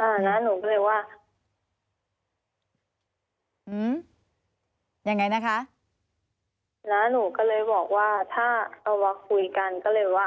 อ่าแล้วหนูก็เลยว่าอืมยังไงนะคะแล้วหนูก็เลยบอกว่าถ้าเอามาคุยกันก็เลยว่า